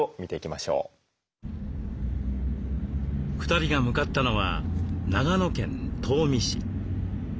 ２人が向かったのは長野県東御市。